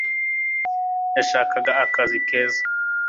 yashakaga akazi keza